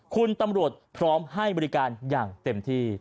คุณตำรวจพร้อมให้บริการอย่างเต็มที่